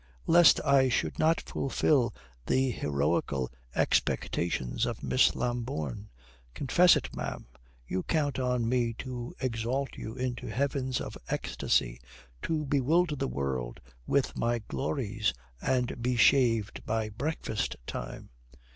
"Lest I should not fulfil the heroical expectations of Miss Lambourne. Confess it, ma'am; you count on me to exalt you into heavens of ecstasy, to bewilder the world with my glories, and be shaved by breakfast time."